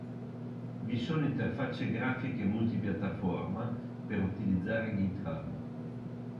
Vi sono interfacce grafiche multipiattaforma per utilizzare GitHub.